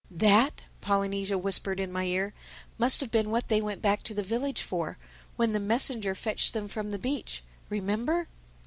"That," Polynesia whispered in my ear, "must have been what they went back to the village for, when the messenger fetched them from the beach.—Remember?"